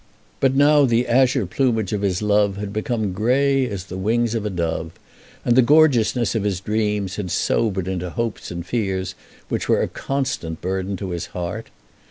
But now the azure plumage of his love had become grey as the wings of a dove, and the gorgeousness of his dreams had sobered into hopes and fears which were a constant burden to his heart.